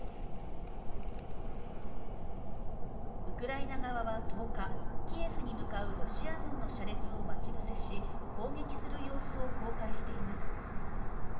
ウクライナ側は１０日、キエフに向かうロシア軍の車列を待ち伏せし、攻撃する様子を公開しています。